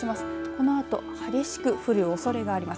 このあと激しく降るおそれがあります。